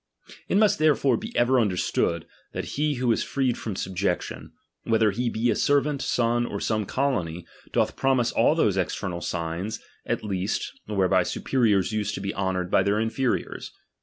It must therefore be ever i Imderstood, that he who is freed from subjection, whether he be a servant, son, or some colony, doth promise all those external signs at least, whereby superiors used to be honoured by their inferiors.